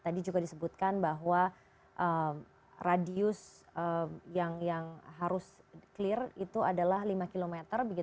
karena tadi juga disebutkan bahwa radius yang harus clear itu adalah lima km